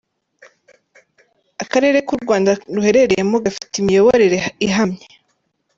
Akarereu Rwanda ruherereyemo, gafite imiyoborere ihamye.